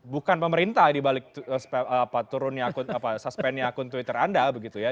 bukan pemerintah di balik turunnya akun apa suspannya akun twitter anda begitu ya